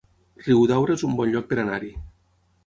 Riudaura es un bon lloc per anar-hi